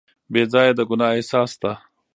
بې ځایه د ګناه احساس شته.